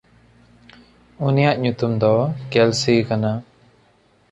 ᱩᱱᱤᱭᱟᱜ ᱧᱩᱛᱩᱢ ᱫᱚ ᱠᱮᱞᱥᱮ ᱠᱟᱱᱟ᱾